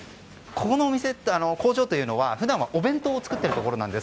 この工場というのは普段はお弁当を作ってるところなんです。